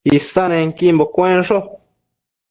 Isannequimbo cuensho